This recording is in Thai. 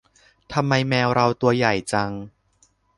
ทำไมแมวเราตัวใหญ่จัง